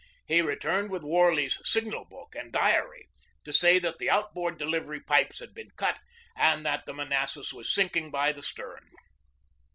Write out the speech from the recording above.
He returned with Warley's signal book and diary, to say that the outboard de livery pipes had been cut, and that the Manassas was sinking by the stern.